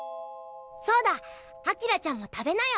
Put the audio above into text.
そうだ明ちゃんも食べなよ。